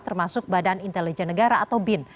termasuk badan intelijen negara atau bin